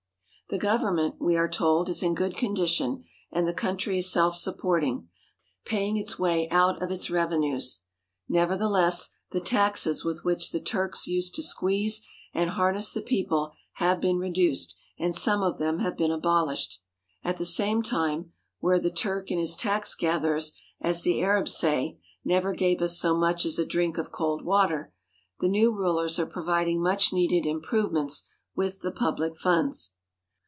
The government, we are told, is in good condition, and the country is self supporting, paying its way out of its revenues. Nevertheless, the taxes with which the Turks used to squeeze and harness the people have been reduced and some of them have been abolished. At the same time, where the Turk and his tax gatherers, as the Arabs say, "never gave us so much as a drink of cold water," the new rulers are providing much needed im provements with the public funds.